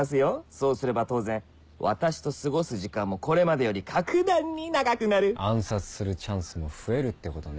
そうすれば当然私と過ごす時間もこれまでより格段に長くなる暗殺するチャンスも増えるってことね